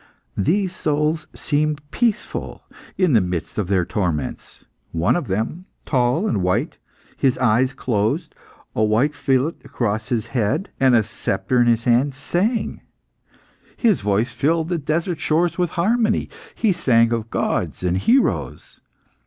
These souls seemed peaceful in the midst of their torments. One of them, tall and white, his eyes closed, a white fillet across his forehead, and a sceptre in his hand, sang; his voice filled the desert shores with harmony; he sang of gods and heroes.